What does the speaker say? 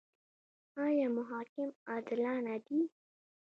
آیا محاکم عادلانه دي؟